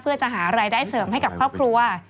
เพื่อจะหารายได้เสริมให้กับครอบครัว